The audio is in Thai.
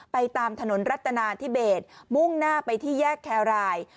ตามถนนรัตนาธิเบสมุ่งหน้าไปที่แยกแครราย